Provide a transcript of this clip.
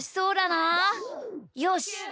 よし！